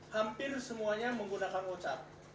hampir semuanya menggunakan whatsapp